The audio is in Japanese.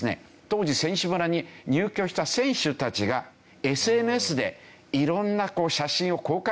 当時選手村に入居した選手たちがＳＮＳで色んな写真を公開したわけですよ。